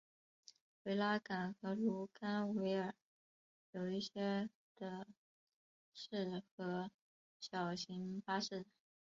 维拉港和卢甘维尔有一些的士和小型巴士。